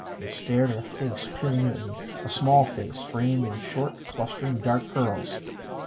And stared at a face peering in at me. A small face, framed by short, clustering, dark curls.